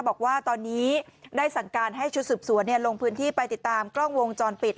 บอกว่าตอนนี้ได้สั่งการให้ชุดสืบสวนลงพื้นที่ไปติดตามกล้องวงจรปิด